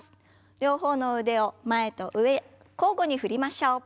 両方の腕を前と上交互に振りましょう。